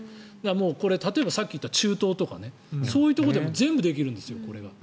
これ、例えばさっき言った中東とかそういうところでも全部できるんですよ、これが。